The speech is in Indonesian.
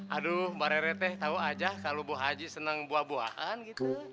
aduh mbak rere teh tau aja kalau bu haji senang buah buahan gitu